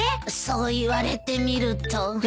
そう言われてみると。